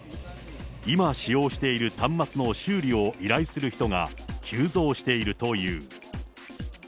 今使用している端末の修理を依頼する人が急増しているという。